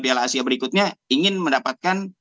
piala asia berikutnya ingin mendapatkan